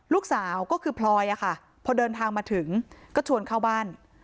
ลูกสาวก็คือพลอยอะค่ะพอเดินทางมาถึงก็ชวนเข้าบ้าน